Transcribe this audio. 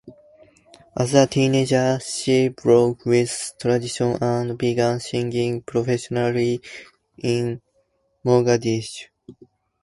As a teenager, she broke with tradition and began singing professionally in Mogadishu.